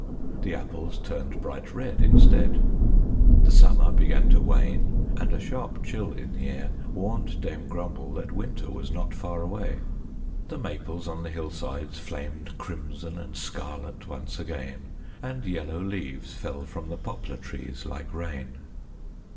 The apples turned bright red instead. The summer began to wane, and a sharp chill in the air warned Dame Grumble that winter was not far away. The maples on the hillsides flamed crimson and scarlet once again, and yellow leaves fell from the poplar trees like rain.